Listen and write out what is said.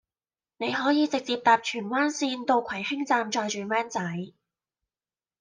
你可以直接搭荃灣綫到葵興站再轉 van 仔